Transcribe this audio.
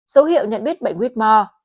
dấu hiệu nhận biết bệnh huyết mò